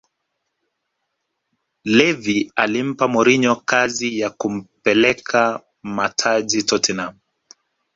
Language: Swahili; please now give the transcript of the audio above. levvy alimpa mourinho kazi ya kupeleka mataji tottenham